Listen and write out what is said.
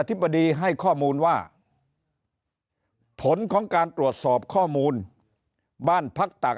ธิบดีให้ข้อมูลว่าผลของการตรวจสอบข้อมูลบ้านพักตัก